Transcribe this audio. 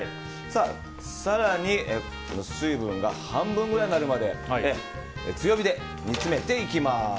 更に水分が半分ぐらいになるまで強火で煮詰めていきます。